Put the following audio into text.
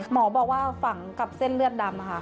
หมอบอกว่าฝังกับเส้นเลือดดำค่ะ